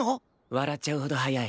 笑っちゃうほど速い。